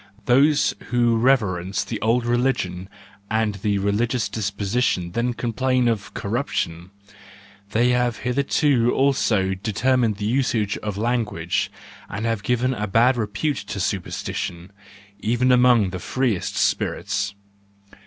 Those who reverence the old religion and the religious disposition then complain of corruption,— they have hitherto also determined the usage of language, and have given a bad repute to supersti¬ tion, even among the freest spirits.